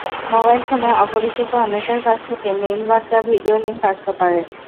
Mobile ফোনে অপরিচিত অনেকের কাছ থেকে মেইল, বার্তা, ভিডিও লিংক আসতে পারে।